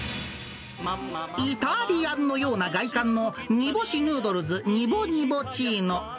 イタリアンのような外観のにぼしヌードルズニボニボチーノ。